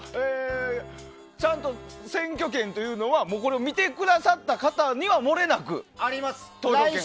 ちゃんと選挙権というのは見てくださった方にはもれなく投票権が。